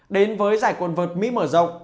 đến với giải quần vật mỹ mở rộng